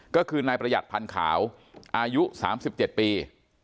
ก็คือนายประหยัดพันธ์ขาวอายุ๓๗ปี